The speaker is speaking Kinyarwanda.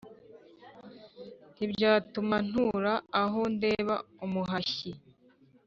Ntibyatuma nturaAho ndeba umuhashyi